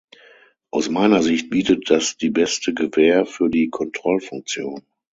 Aus meiner Sicht bietet das die beste Gewähr für die Kontrollfunktion.